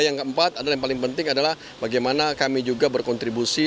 yang keempat adalah yang paling penting adalah bagaimana kami juga berkontribusi